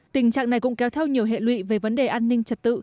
tình trạng này cũng kéo theo nhiều hệ lụy về vấn đề an ninh trật tự